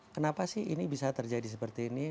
kenapa sih ini bisa terjadi seperti ini